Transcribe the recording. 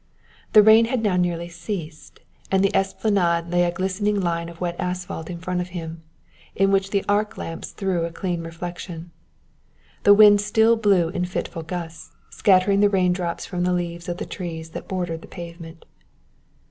The rain had now nearly ceased, and the esplanade lay a glistening line of wet asphalt in front of him, in which the arc lamps threw a clean reflection. The wind still blew in fitful gusts, scattering the raindrops from the leaves of the trees that bordered the pavement.